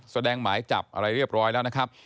หมายจับอะไรเรียบร้อยแล้วนะครับ